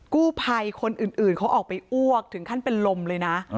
กู้ภัยคนอื่นเขาออกไปอ้วกถึงขั้นเป็นลมเลยนะ